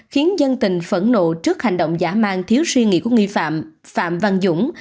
khiến dân tình phẫn nộ trước hành động giả mang thiếu suy nghĩ của nghi phạm phạm văn dũng